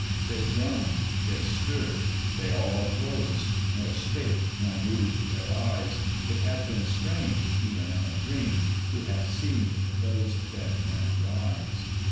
They groaned, they stirred, they all uprose, Nor spake, nor moved their eyes; It had been strange, even in a dream, To have seen those dead men rise.